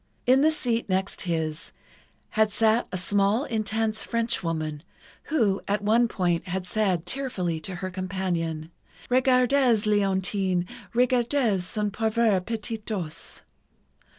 In the seat next his, had sat a small, intense Frenchwoman, who, at one point, had said, tearfully, to her companion: "Regardez, Léontine, regardez son pauvre petit dos!"